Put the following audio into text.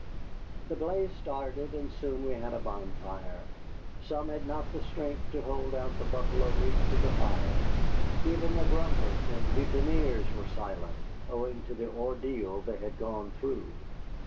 The blaze started, and soon we had a bonfire. Some had not the strength to hold out the buffalo meat to the fire. Even the grumblers and mutineers were silent, owing to the ordeal they had gone through.